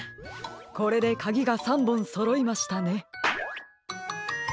これでかぎが３ぼんそろいましたね。